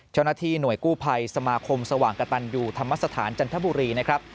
เจ้าหน้าที่หน่วยกู้ภัยสมาคมสว่างกระตันยูธรรมสถานจันทบุรีนะครับ